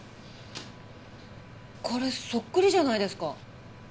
これそっくりじゃないですか。